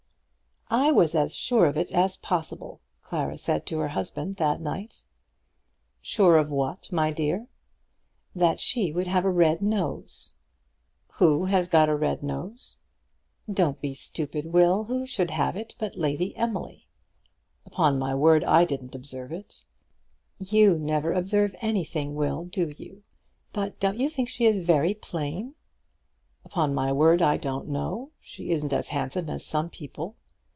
"I was as sure of it as possible," Clara said to her husband that night. "Sure of what, my dear?" "That she would have a red nose." "Who has got a red nose?" "Don't be stupid, Will. Who should have it but Lady Emily?" "Upon my word I didn't observe it." "You never observe anything, Will; do you? But don't you think she is very plain?" "Upon my word I don't know. She isn't as handsome as some people."